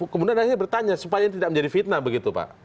kemudian akhirnya bertanya supaya tidak menjadi fitnah begitu pak